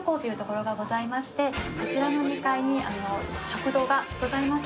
そちらの２階に食堂がございます。